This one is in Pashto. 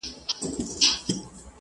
دواړه د کتابونو د غلا په تور ونيول شول.